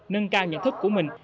nâng cao nhận thức của mình